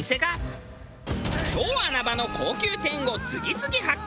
超穴場の高級店を次々発見！